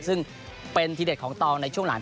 ซึ่งเป็นทีเด็ดของตองในช่วงหลัง